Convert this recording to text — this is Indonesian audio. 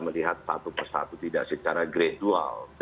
melihat satu persatu tidak secara gradual